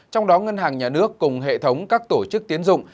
trong đó ngân hàng nhà nước cùng hệ thống các tổ chức tiến dụng